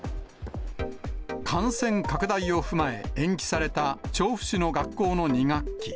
感染拡大を踏まえ、延期された調布市の学校の２学期。